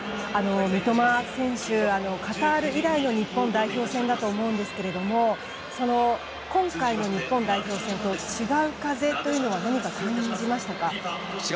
三笘選手、カタール以来の日本代表戦だと思うんですが今回の日本代表戦と違う風というのは何か感じましたか？